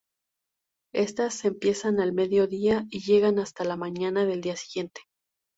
Estas empiezan al mediodía y llegan hasta la mañana del día siguiente.